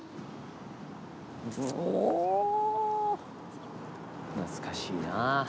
うお懐かしいなあ。